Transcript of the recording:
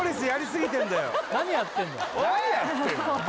何やってんのおい！